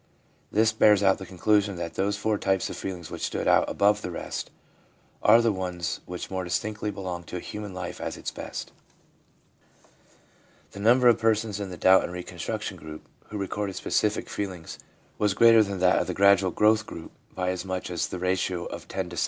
This bears out the conclusion that those four types of feeling which stood out above the rest are the ones which more distinctly belong to human life at its best. The number of persons in the doubt and reconstruc tion group who recorded specific feelings was greater 336 THE PSYCHOLOGY OF RELIGION than that of the gradual growth group by as much as the ratio of 10 to 7.